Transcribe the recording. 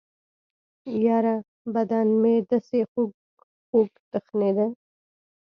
يره بدن مې دسې خوږخوږ تخنېده.